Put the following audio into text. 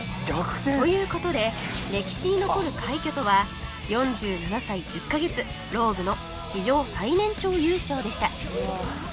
という事で歴史に残る快挙とは４７歳１０カ月ローブの史上最年長優勝でした